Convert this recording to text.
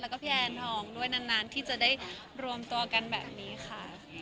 แล้วก็พี่แอนทองด้วยนานที่จะได้รวมตัวกันแบบนี้ค่ะ